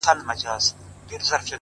دى خو بېله تانه كيسې نه كوي’